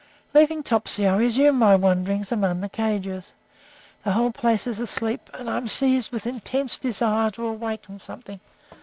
Leaving Topsy, I resume my wanderings among the cages. The whole place is asleep, and I am seized with intense desire to awaken something.